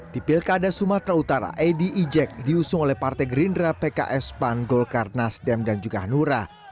di pilkada sumatera utara edy ijek diusung oleh partai gerindra pks pan golkar nasdem dan juga hanura